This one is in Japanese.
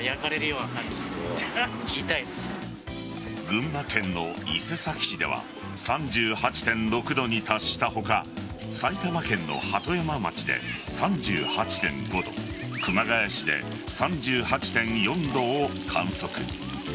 群馬県の伊勢崎市では３８．６度に達した他埼玉県の鳩山町で３８．５度熊谷市で３８．４度を観測。